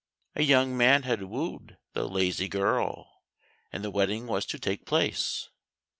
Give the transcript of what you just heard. A young man had wooed the lazy girl, and the wedding was to take place.